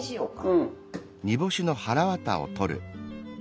うん。